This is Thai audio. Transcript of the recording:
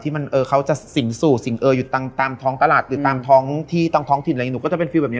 ที่มันเอ่อเขาจะสิงสู่สิงเออยู่ตามท้องตลาดหรือตามท้องที่ต้องท้องถิ่นอะไรอย่างนี้